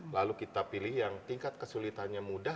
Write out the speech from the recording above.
lalu kita pilih yang tingkat kesulitannya mudah